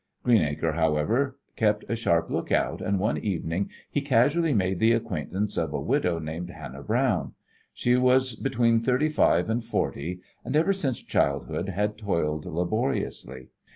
Greenacre, however, kept a sharp lookout, and one evening he casually made the acquaintance of a widow named Hannah Browne. She was between thirty five and forty and ever since childhood had toiled laboriously.